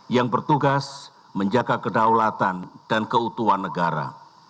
yang bertugas menjaga kedaulatan dan keutuhan negara